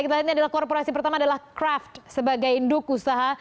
kita lihat ini adalah korporasi pertama adalah craft sebagai induk usaha